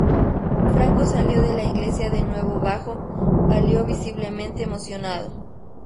Franco salió de la iglesia de nuevo bajo palio visiblemente emocionado.